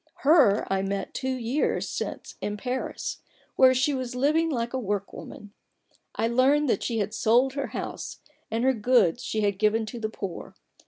Her I met two years since in Paris, where she was living like a work woman, I learned that she had sold her house, and her goods she had given to the poor.